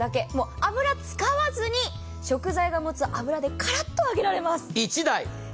油使わずに食材の持つ脂でカラッと揚げられます。